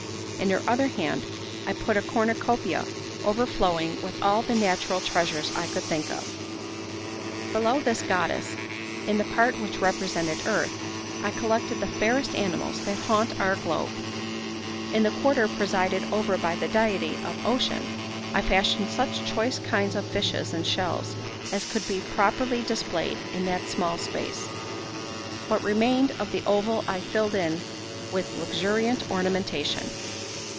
In her other hand I put a cornucopia, overflowing with all the natural treasures I could think of. Below this goddess, in the part which represented earth, I collected the fairest animals that haunt our globe. In the quarter presided over by the deity of ocean, I fashioned such choice kinds of fishes and shells as could be properly displayed in that small space. What remained of the oval I filled in with luxuriant ornamentation.